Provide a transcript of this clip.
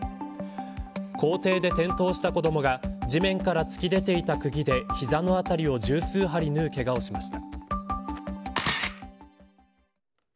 校庭で転倒した子どもが地面から突き出ていたくぎで膝のあたりを１０数針縫うけがをしました。